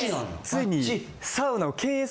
ついに。え！